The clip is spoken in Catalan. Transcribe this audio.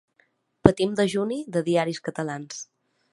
Patim dejuni de diaris catalans.